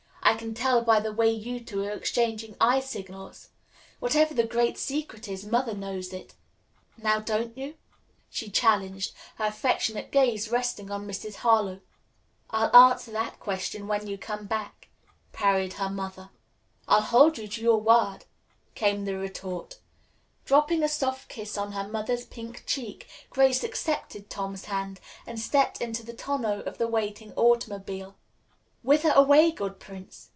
"I can tell by the way you two are exchanging eye signals. Whatever the great secret is, Mother knows it. Now don't you?" she challenged, her affectionate gaze resting on Mrs. Harlowe. "I'll answer that question when you come back," parried her mother. "I'll hold you to your word," came the retort. Dropping a soft kiss on her mother's pink cheek, Grace accepted Tom's hand and stepped into the tonneau of the waiting automobile. "Whither away, good prince?"